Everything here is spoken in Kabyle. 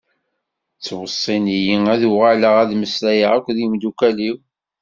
Ttweṣṣin-iyi ad uɣaleɣ ad mmeslayeɣ akked yimdukal-iw.